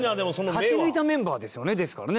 勝ち抜いたメンバーですよねですからね